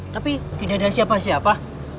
tapi tidak ada siapa siapa